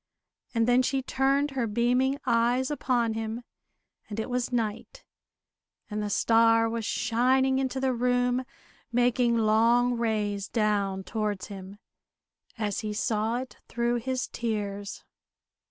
and then she turned her beaming eyes upon him, and it was night; and the star was shining into the room, making long rays down towards him as he saw it through his tears.